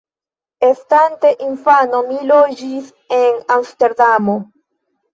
Estante infano mi loĝis en Amsterdamo.